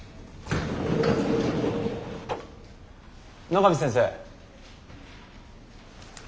野上先生。